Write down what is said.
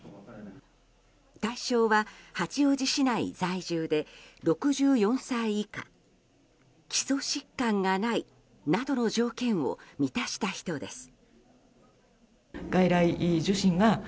対象は八王子市内在住で６４歳以下基礎疾患がないなどの条件を満たした人です。